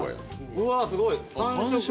うわすごい。